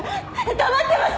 黙ってます！